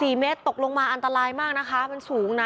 เมตรตกลงมาอันตรายมากนะคะมันสูงนะ